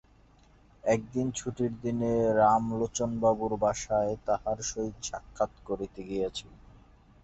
একদিন ছুটির দিনে রামলোচনবাবুর বাসায় তাঁহার সহিত সাক্ষাৎ করিতে গিয়াছি।